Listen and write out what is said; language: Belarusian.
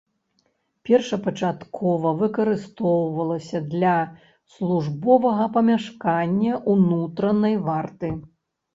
Першапачаткова выкарыстоўвалася для службовага памяшкання ўнутранай варты.